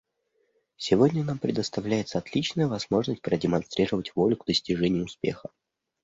Сегодня нам предоставляется отличная возможность продемонстрировать волю к достижению успеха.